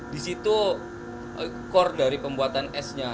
di situ core dari pembuatan esnya